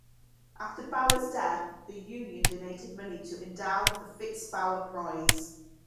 After Bauer's death, the Union donated money to endow the Fritz Bauer Prize.